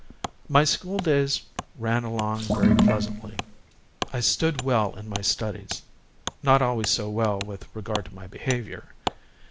My school days ran along very pleasantly. I stood well in my studies, not always so well with regard to my behavior.